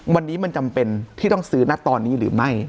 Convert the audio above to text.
วันนี้มันจำเป็นที่ต้องซื้อนะตอนนี้หรือไม่